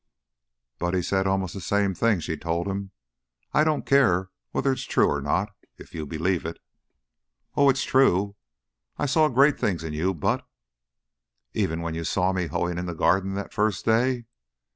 "Buddy said almost the same thing," she told him. "I don't care whether it's true or not, if you believe it." "Oh, it's true! I saw great things in you, but " "Even when you saw me hoeing in the garden that first day?"